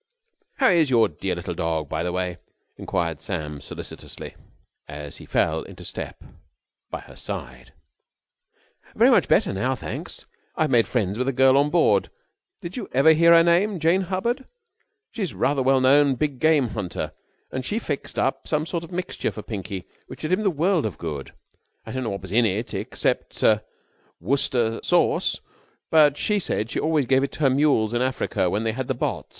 "How is your dear little dog, by the way?" enquired Sam solicitously, as he fell into step by her side. "Much better now, thanks. I've made friends with a girl on board did you ever hear her name Jane Hubbard she's a rather well known big game hunter and she fixed up some sort of a mixture for Pinky which did him a world of good. I don't know what was in it except Worcester Sauce, but she said she always gave it to her mules in Africa when they had the botts